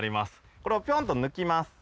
これをぴょんと抜きます。